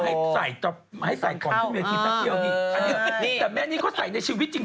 ให้ใส่กล่องที่มีอาทิตย์สักเดียวนี่แต่แม่นี่เขาใส่ในชีวิตจริง